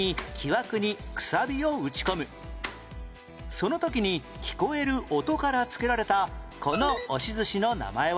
その時に聞こえる音から付けられたこの押し寿司の名前は？